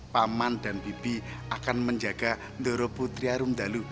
pak man dan bibi akan menjaga doro putri harum dalu